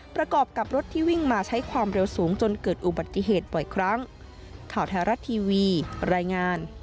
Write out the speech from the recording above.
ประกอบกับรถที่วิ่งมาใช้ความเร็วสูงจนเกิดอุบัติเหตุบ่อยครั้ง